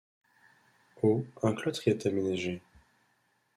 Au un cloître y est aménagé.